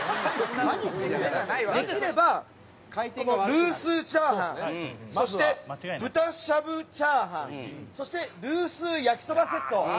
できればこのルースチャーハンそして豚シャブチャーハンそしてルース焼きそばセット